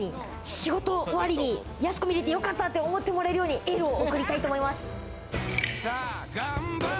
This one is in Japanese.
仕事終わりにやす子見れてよかった！って思ってもらえるようにエールを送りたいと思います。